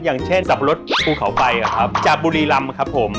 อย่างเช่นขับรถภูเขาไฟจากบุรีรำครับผม